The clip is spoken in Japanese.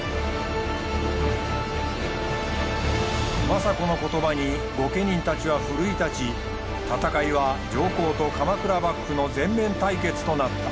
政子の言葉に御家人たちは奮い立ち戦いは上皇と鎌倉幕府の全面対決となった。